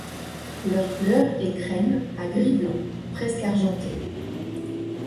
Leur couleur est crême à gris blanc, presque argenté.